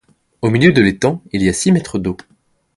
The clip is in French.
Au milieu de l'étang, il y a six mètres d'eau.